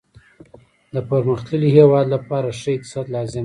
د پرمختللي هیواد لپاره ښه اقتصاد لازم دی